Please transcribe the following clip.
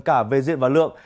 cả về diện và lượng